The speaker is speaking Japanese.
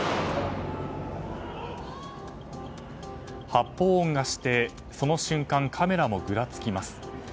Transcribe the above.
発砲音がしてその瞬間、カメラもぐらつきます。